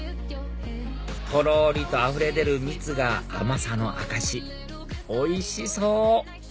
とろりとあふれ出る蜜が甘さの証しおいしそう！